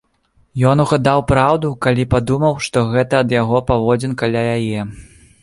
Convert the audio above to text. Ён угадаў праўду, калі падумаў, што гэта ад яго паводзін каля яе.